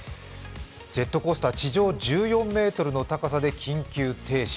ジェットコースター、地上１４ｍの高さで緊急停止。